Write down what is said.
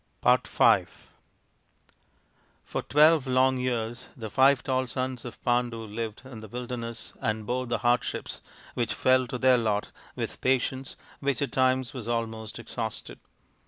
THE FIVE TALL SONS OF PANDU 91 For twelve long years the five tall sons of Pandu lived in the wilderness and bore the hardships which fell to their lot with patience which at times was almost exhausted.